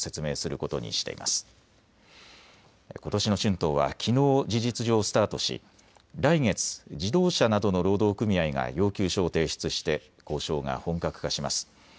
ことしの春闘はきのう事実上スタートし来月自動車などの労働組合が要求書を提出して交渉が本格化します。